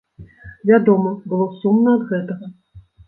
Вядома, было сумна ад гэтага.